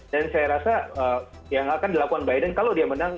dan saya rasa yang akan dilakukan biden kalau dia menang